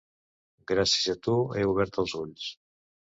Gràcies a tu he obert els ulls.